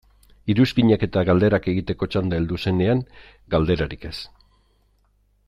Iruzkinak eta galderak egiteko txanda heldu zenean, galderarik ez.